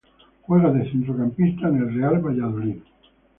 Juega de centrocampista en el Real Valladolid.